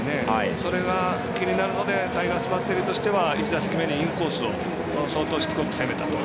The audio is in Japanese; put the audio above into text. それが、気になるのでタイガースバッテリーとしては１打席目にインコースを相当しつこく攻めたと。